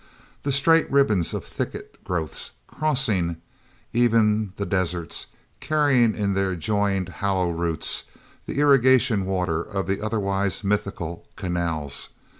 The straight ribbons of thicket growths, crossing even the deserts, carrying in their joined, hollow roots the irrigation water of the otherwise mythical "canals."